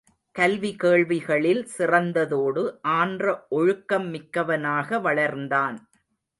கல்வி கேள்விகளில் சிறந்ததோடு ஆன்ற ஒழுக்கம் மிக்கவனாக வளர்ந்தான்.